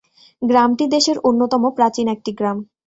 গ্রামটি দেশের অন্যতম প্রাচীন একটি গ্রাম।